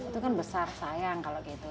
itu kan besar sayang kalau gitu